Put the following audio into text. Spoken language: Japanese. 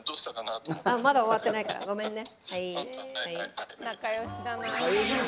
まだ終わってないからごめんね。